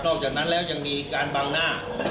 อกจากนั้นแล้วยังมีการบังหน้า